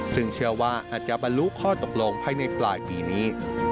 ซึ่งเชื่อว่าอาจจะบรรลุข้อตกลงภายในปลายปีนี้